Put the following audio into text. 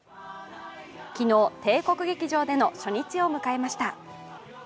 昨日、帝国劇場での初日を迎えました。